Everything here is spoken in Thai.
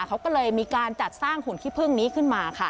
เขาก็เลยมีการจัดสร้างหุ่นขี้พึ่งนี้ขึ้นมาค่ะ